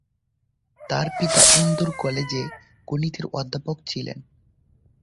তার পিতা ইন্দোর কলেজে গণিতের অধ্যাপক ছিলেন।